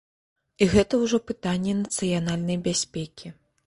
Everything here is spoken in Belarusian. І гэта ўжо пытанні нацыянальнай бяспекі.